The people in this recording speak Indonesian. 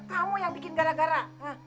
kamu yang bikin gara gara